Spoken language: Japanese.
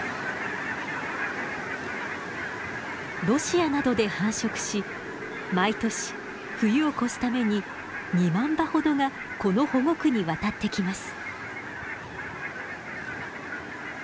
ロシアなどで繁殖し毎年冬を越すために２万羽ほどがこの保護区に渡ってきます。